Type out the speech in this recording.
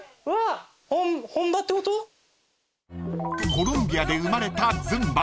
［コロンビアで生まれたズンバ］